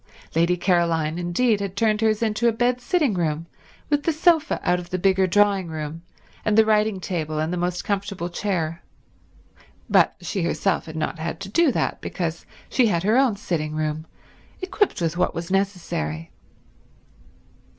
Lady Caroline, indeed, had turned hers into a bed sitting room, with the sofa out of the bigger drawing room and the writing table and the most comfortable chair, but she herself had not had to do that because she had her own sitting room, equipped with what was necessary.